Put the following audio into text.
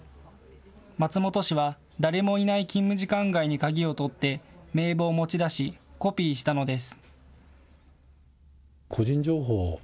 松本氏は誰もいない勤務時間外に鍵をとって名簿を持ち出しコピーしたのです。